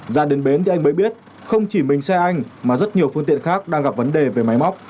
ra đến bến thì anh mới biết không chỉ mình xe anh mà rất nhiều phương tiện khác đang gặp vấn đề về máy móc